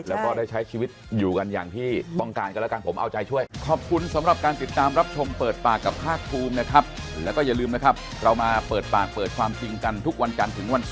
แล้วก็ได้ใช้ชีวิตอยู่กันอย่างที่ต้องการกันแล้วกันผมเอาใจช่วย